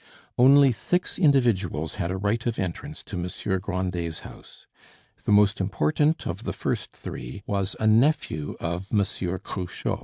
Only six individuals had a right of entrance to Monsieur Grandet's house. The most important of the first three was a nephew of Monsieur Cruchot.